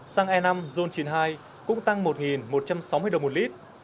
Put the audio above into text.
xăng e năm zon chín mươi hai cũng tăng một một trăm sáu mươi đồng một lít